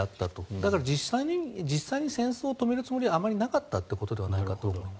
だから、実際に戦争を止めるつもりはあまりなかったということではないかと思います。